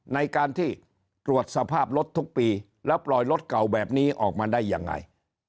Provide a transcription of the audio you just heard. ในการที่ตรวจสภาพรถทุกปีแล้วปล่อยรถเก่าแบบนี้ออกมาได้ยังไง